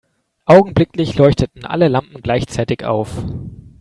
Augenblicklich leuchteten alle Lampen gleichzeitig auf.